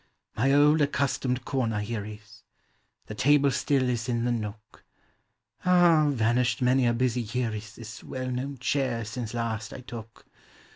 My old accustomed corner here is— The table still is in the nook; Ah! vanished many a busy year i ■ This well known chair since last I took.